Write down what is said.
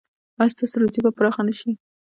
ایا ستاسو روزي به پراخه نه شي؟